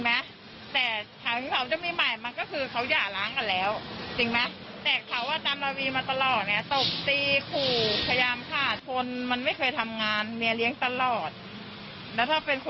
มันก็จะประเป็นอย่างนี้แหละคั่งบ้า